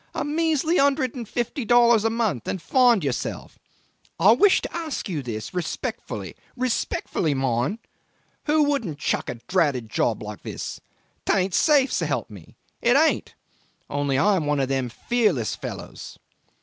A measly hundred and fifty dollars a month and find yourself. I wish to ask you respectfully respectfully, mind who wouldn't chuck a dratted job like this? 'Tain't safe, s'elp me, it ain't! Only I am one of them fearless fellows